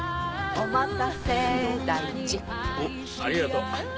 おっありがとう。